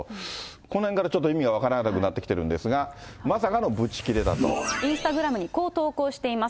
このへんからちょっと意味が分からなくなってきてるんですが、まインスタグラムにこう投稿しています。